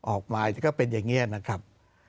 ออกมาก็เป็นอย่างนี้นะครับ